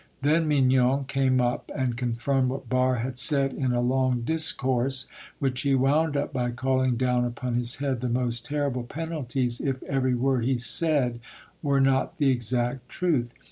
Then Mignon came up and confirmed what Barre had said in a long discourse, which he wound up by calling down upon his head the most terrible penalties if every word he said were not the exact truth.